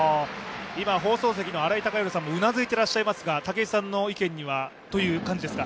今、放送席の新井貴浩さんもうなずいていらっしゃいますが、武井さんの意見には、そういう感じですか。